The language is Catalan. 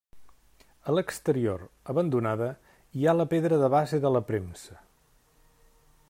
A l'exterior, abandonada, hi ha la pedra de base de la premsa.